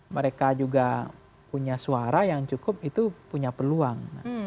mereka juga punya suara yang cukup itu punya peluang